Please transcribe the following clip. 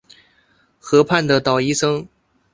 河畔的捣衣声